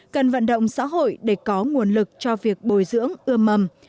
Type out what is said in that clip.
cần vận động xã hội để có nguồn lực cho việc bồi dưỡng ưa mầm